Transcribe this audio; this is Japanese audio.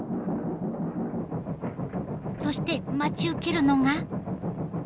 そして待ち受けるのが。